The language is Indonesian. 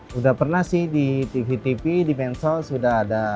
sudah pernah sih di tv tv di mensel sudah ada